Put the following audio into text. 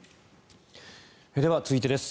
では、続いてです。